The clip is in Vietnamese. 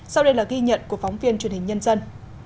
sau đây là ghi nhận của phóng viên truyền hình nhân dân